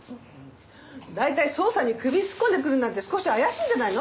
大体捜査に首突っ込んでくるなんて少し怪しいんじゃないの？